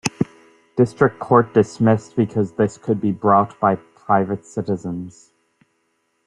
District court dismissed because this could be brought by private citizens.